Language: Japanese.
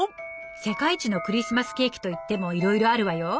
世界一のクリスマスケーキといってもいろいろあるわよ。